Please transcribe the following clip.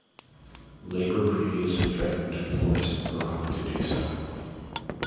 Labor previously threatened to force Barak to do so.